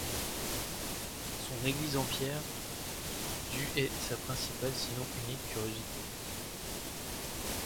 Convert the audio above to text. Son église en pierre du est sa principale sinon unique curiosité.